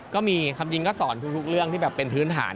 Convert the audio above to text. ก็มีคำจริงก็สอนทุกเรื่องที่แบบเป็นพื้นฐาน